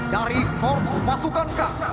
dari korps pasukan kast